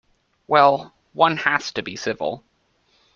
Well, one has to be civil.